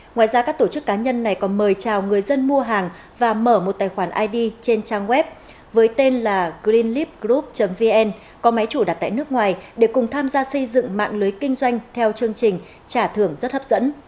ngoài ra các tổ chức cá nhân này còn mời chào người dân mua hàng và mở một tài khoản id trên trang web với tên là greenlip group vn có máy chủ đặt tại nước ngoài để cùng tham gia xây dựng mạng lưới kinh doanh theo chương trình trả thưởng rất hấp dẫn